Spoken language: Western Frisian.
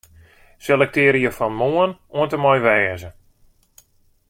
Selektearje fan 'Moarn' oant en mei 'wêze'.